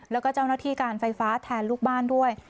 แล้วก็เจ้าหน้าที่การไฟฟ้าแทนลูกบ้านด้วย